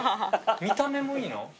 見た目もいいの？